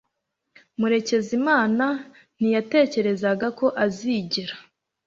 Murekezimana ntiyatekerezaga ko azigera